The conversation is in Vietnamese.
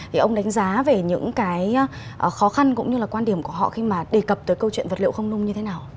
thì ông đánh giá về những cái khó khăn cũng như là quan điểm của họ khi mà đề cập tới câu chuyện vật liệu không nung như thế nào